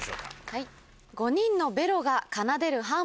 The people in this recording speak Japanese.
はい。